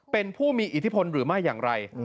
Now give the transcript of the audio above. เป็นผู้มีอิทธิพลหรือไม่อย่างไร